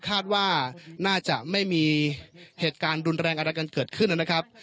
คาดว่าน่าจะไม่มีเหตุการณ์รุนแรงอะไรกันเกิดขึ้นนะครับ